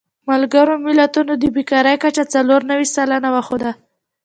ملګرو ملتونو د بېکارۍ کچه څلور نوي سلنه وښوده.